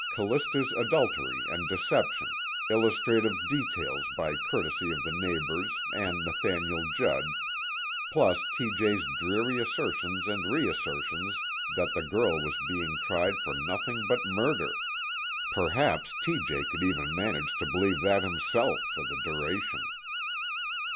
Callista's adultery and deception, illustrative details by courtesy of the neighbors and Nathaniel Judd, plus T.J.'s dreary assertions and reassertions that the girl was being tried for nothing but murder perhaps T.J. could even manage to believe that himself, for the duration.